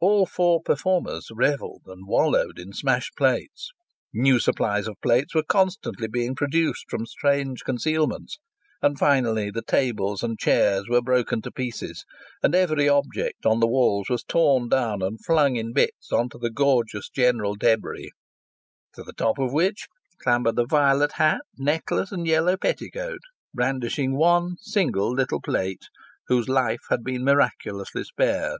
All four performers revelled and wallowed in smashed plates. New supplies of plates were constantly being produced from strange concealments, and finally the tables and chairs were broken to pieces, and each object on the walls was torn down and flung in bits on to the gorgeous general debris, to the top of which clambered the violet hat, necklace and yellow petticoat, brandishing one single little plate, whose life had been miraculously spared.